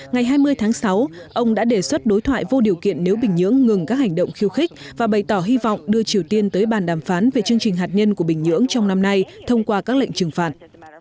ngày hai mươi tháng sáu ông đã đề xuất đối thoại vô điều kiện nếu bình nhưỡng ngừng các hành động khiêu khích và bày tỏ hy vọng đưa triều tiên tới bàn đàm phán về chương trình hạt nhân của bình nhưỡng trong năm nay thông qua các lệnh trừng phạt